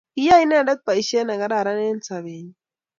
Kiyai inendet Boisheet ne kararan eng' sobet'nyi